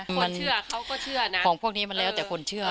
คนเชื่อเขาก็เชื่อนะ